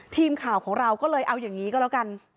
ทีมข่าวของเราก็เลยเอาอย่างนี้ก็แล้วกัน